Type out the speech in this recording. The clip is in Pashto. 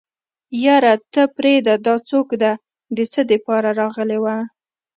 يره ته پرېده دا څوک ده د څه دپاره راغلې وه.